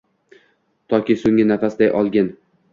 Toki so’nggi nafasday o’lgin.